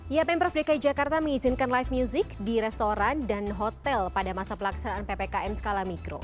ya pemprov dki jakarta mengizinkan live music di restoran dan hotel pada masa pelaksanaan ppkm skala mikro